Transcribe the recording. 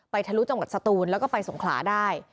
ทะลุจังหวัดสตูนแล้วก็ไปสงขลาได้